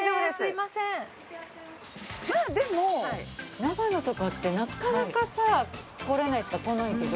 まあでも長野とかってなかなかさ来られないっていうか来ないけど